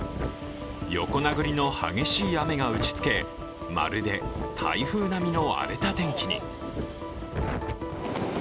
横殴りの激しい雨が打ちつけ、まるで台風並みの荒れた天気に。